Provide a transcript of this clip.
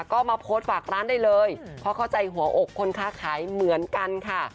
ก็มาโพสต์ฝากร้านได้เลยเพราะเข้าใจหัวอกคนค้าขายเหมือนกันค่ะ